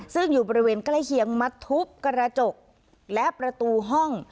ซึ่งอยู่บริเวณใกล้เคียงมาทุบกระจกและประตูห้อง